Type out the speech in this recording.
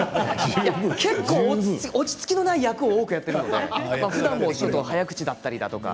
結構、落ち着きのない役を多くやっているので早口だったりとか。